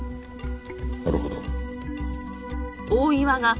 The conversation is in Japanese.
なるほど。